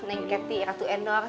neng keti ratu endor